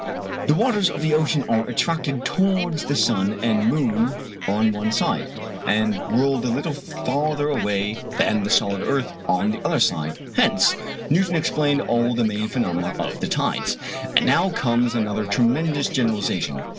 The waters of the ocean are attracted towards the sun and moon on one side, and whirled a little farther away than the solid earth on the other side: hence Newton explained all the main phenomena of the tides. And now comes another tremendous generalization.